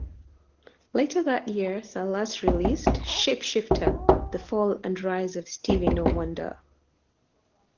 Later that year Salas released "Shapeshifter: The Fall and Rise of Stevie No-Wonder".